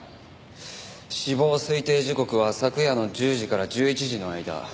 死亡推定時刻は昨夜の１０時から１１時の間。